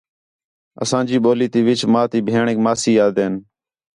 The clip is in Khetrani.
اساں جی ٻولی تی وِچ ماں تی بھیݨیک ماسی آہدے ہین